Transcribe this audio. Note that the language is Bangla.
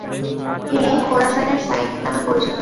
তিনি “খোরাসানের শাইখ” নামে পরিচিত।